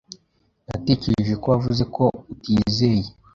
Natekereje ko wavuze ko utizeye .